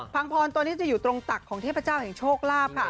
พรตัวนี้จะอยู่ตรงตักของเทพเจ้าแห่งโชคลาภค่ะ